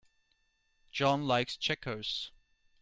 John likes checkers.